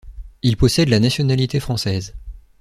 Il possède la nationalité française.